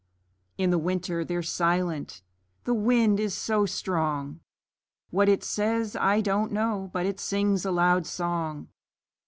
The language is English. In the winter they're silent the wind is so strong; What it says, I don't know, but it sings a loud song.